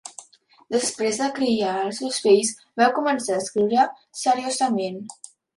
Després de criar els seus fills, va començar a escriure seriosament.